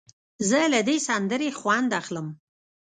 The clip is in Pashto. زه له دې سندرې خوند اخلم.